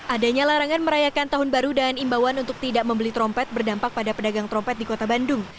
adanya larangan merayakan tahun baru dan imbauan untuk tidak membeli trompet berdampak pada pedagang trompet di kota bandung